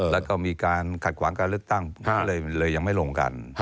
แล้วก็มีการขัดขวางการเลือกตั้งเลยยังไม่ลงกัน